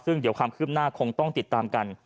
ซึ่งเดี๋ยวความคืบหน้าคงต้องติดตามกัน